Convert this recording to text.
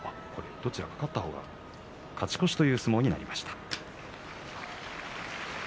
どちらか勝った方が勝ち越しという相撲になりました。